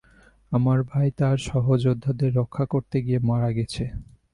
আমার ভাই তার সহযোদ্ধাদের রক্ষা করতে গিয়ে মারা গেছে।